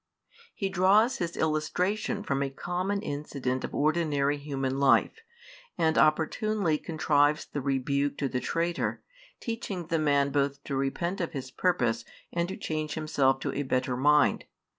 He draws His illustration from a common incident of ordinary human life, and opportunely contrives the rebuke to the traitor, teaching the man both to repent of his purpose and to change himself to a better mind.